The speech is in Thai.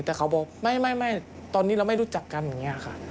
แต่เขาบอกไม่ตอนนี้เราไม่รู้จักกันอย่างนี้ค่ะ